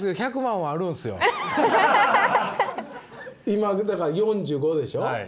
今だから４５でしょ。